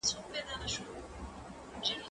کېدای سي سينه سپين ستونزي ولري!.